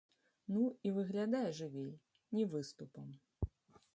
Ну, і выглядае жывей, не выступам.